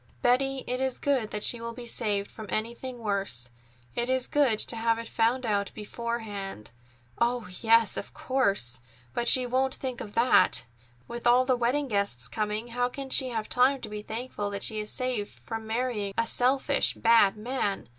"Betty, it is good that she will be saved from anything worse. It is good to have it found out beforehand." "Oh, yes, of course; but she won't think of that. With all the wedding guests coming, how can she have time to be thankful that she is saved from marrying a selfish, bad man?